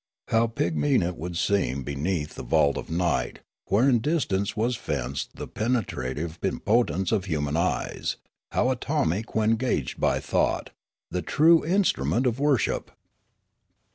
How pigmean it would seem beneath the vault of night, wherein distance was fenced by the pene trative impotence of human eyes, how atomic when gauged by thought, the true instrument of worship